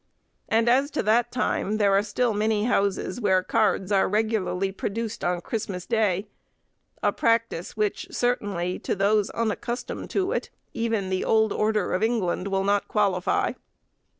And as to that time, there are still many houses where cards are regularly produced on Christmas Day, a practice which, certainly, to those unaccustomed to it, even the old order of England will not qualify.